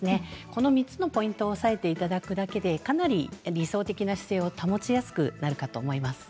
この３つのポイントを押さえていただくだけでかなり理想的な姿勢を保ちやすくなるかと思います。